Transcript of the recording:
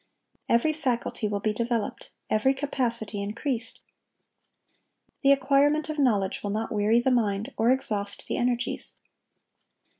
Every faculty will be developed, every capacity increased. The acquirement of knowledge will not weary the mind or exhaust the energies.